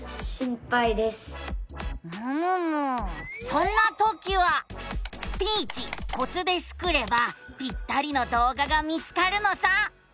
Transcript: そんなときは「スピーチコツ」でスクればぴったりの動画が見つかるのさ。